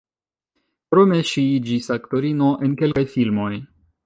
Krome ŝi iĝis aktorino en kelkaj filmoj.